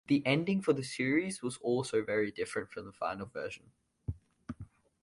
The ending for the series was also very different from the final version.